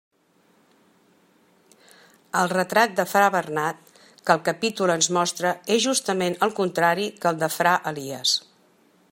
El retrat de fra Bernat que el capítol ens mostra és justament el contrari que el de fra Elies.